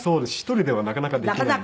１人ではなかなかできないので。